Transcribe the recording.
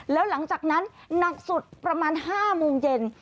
แล้วหลังจากนั้นหนักสุดประมาณ๕โมงเย็น